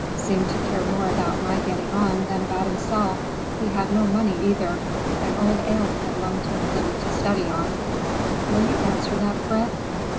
Seemed to care more about my getting on than about himself. He had no money, either. An old aunt had loaned him a little to study on.—Will you answer that, Fred?"